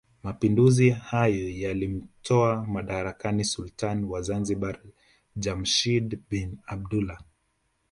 Mapinduzi hayo yaliyomtoa madarakani sultani wa Zanzibar Jamshid bin Abdullah